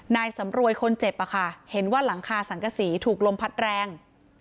นายสำรวยคนเจ็บเห็นว่าหลังคาสังกษีถูกลมพัดแรง